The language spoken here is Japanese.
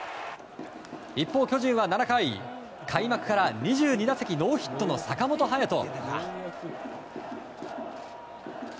一方、巨人は７回開幕から２２打席ノーヒットの坂本勇人。